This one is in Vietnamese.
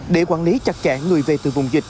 để quản lý chặt chẽ người về từ vùng dịch